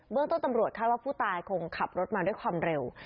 เรื่องต้นตำรวจคาดว่าผู้ตายคงขับรถมาด้วยความเร็ว